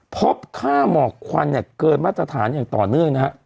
พบค่าหมอกควันเกินมาตรฐานอย่างต่อเนื่อง